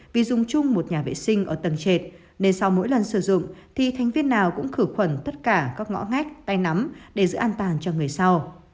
vì dùng chung một nhà vệ sinh ở tầng trệt nên sau mỗi lần sử dụng thì thành viên nào cũng khử khuẩn tất cả các ngõ ngách tay nắm để giữ an toàn cho người sau